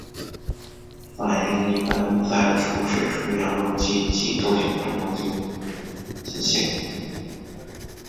反应一般在除水除氧溶剂及惰性环境中进行。